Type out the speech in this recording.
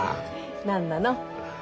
何なの？